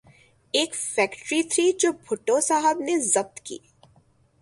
ایک فیکٹری تھی جو بھٹو صاحب نے ضبط کی۔